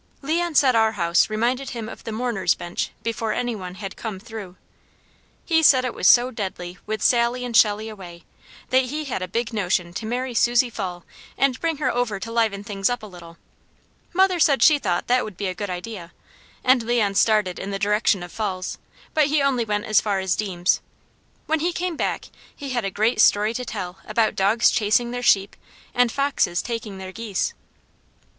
Leon said our house reminded him of the mourners' bench before any one had "come through." He said it was so deadly with Sally and Shelley away, that he had a big notion to marry Susie Fall and bring her over to liven things up a little. Mother said she thought that would be a good idea, and Leon started in the direction of Falls', but he only went as far as Deams'. When he came back he had a great story to tell about dogs chasing their sheep, and foxes taking their geese.